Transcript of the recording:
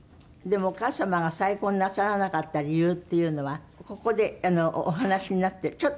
でもお母様が再婚なさらなかった理由っていうのはここでお話しになってる。